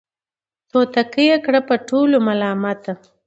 توتکۍ یې کړه په ټولو ملامته